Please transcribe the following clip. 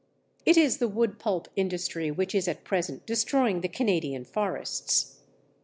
It is the wood pulp industry which is at present destroying the Canadian forests.